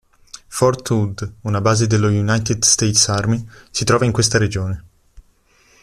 Fort Hood, una base dello United States Army, si trova in questa regione.